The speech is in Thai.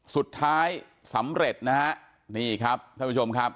สุดท้ายสำเร็จนะฮะนี่ครับท่านผู้ชมครับ